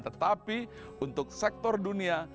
tetapi untuk sektor dunia